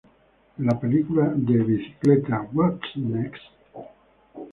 En la película de bicicleta, ""What's Next?